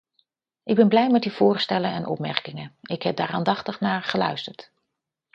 Ik ben blij met uw voorstellen en opmerkingen, ik heb daar aandachtig naar geluisterd.